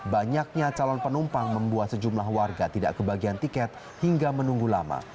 banyaknya calon penumpang membuat sejumlah warga tidak kebagian tiket hingga menunggu lama